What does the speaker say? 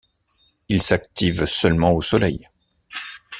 Il s'active seulement au soleil.